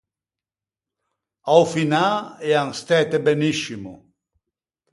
A-o Finâ ean stæte beniscimo.